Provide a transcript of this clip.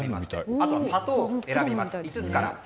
あとは砂糖を選びます、５つから。